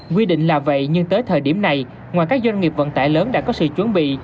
quy định là vậy nhưng tới thời điểm này ngoài các doanh nghiệp vận tải lớn đã có sự chuẩn bị